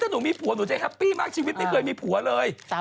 ถ้าหนูมีผัวหนูจะแฮปปี้มากชีวิตไม่เคยมีผัวเลย